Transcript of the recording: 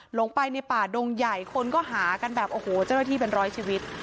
หลงไปในป่าดงใหญ่คนก็หากันแบบจะได้ที่เป็นร้อยชีวิต